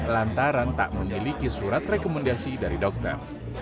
lantaran tak memiliki surat rekomendasi dari dokter